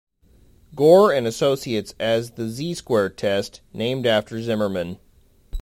Gore and Associates as the "Z Square" test, named after Zimmerman.